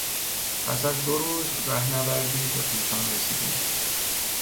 پس از دو روز رهنوردی به قوچان رسیدیم.